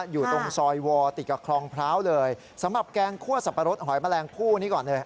อยู่ตรงซอยวอร์ติดกับคลองพร้าวเลยสำหรับแกงคั่วสับปะรดหอยแมลงคู่นี้ก่อนเลย